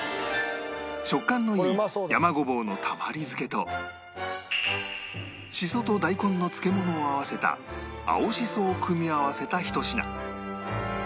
食感のいい山ごぼうのたまり漬けとしそと大根の漬物を合わせた青しそを組み合わせたひと品